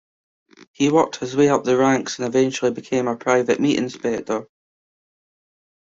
He worked his way up the ranks and eventually became a private meat inspector.